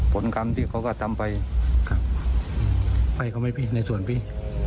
ไปเขาไหมพี่ในส่วนพี่